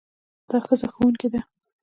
دا ښځه ښوونکې ده.